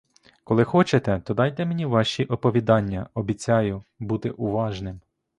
Коли хочете, то дайте мені ваші оповідання, обіцяю бути уважним.